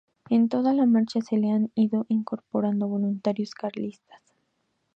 En toda la marcha se le han ido incorporando voluntarios carlistas.